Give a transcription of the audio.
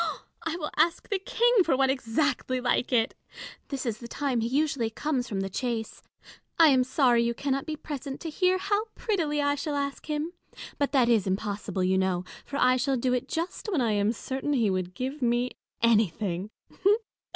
I will ask the King for one exactly like it. This is the time he usually comes from the chase. I am sorry you cannot be present to hear how prettily I shall ask him : but that is impossible, you know ; for I shall do it just when I am certain he would give me anything.